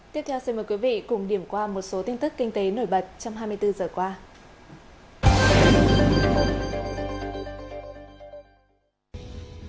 tiếp theo xin mời quý vị cùng điểm qua một số tin tức kinh tế nổi bật trong hai mươi bốn giờ qua